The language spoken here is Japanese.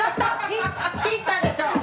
切ったでしょ？